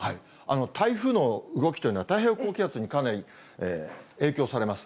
台風の動きというのは、太平洋高気圧にかなり影響されます。